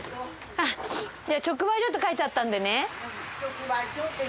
直売所って書いてあったんでね。